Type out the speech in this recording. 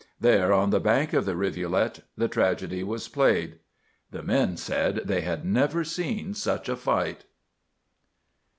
There, on the bank of the rivulet, the tragedy was played. The men said they had never seen such a fight.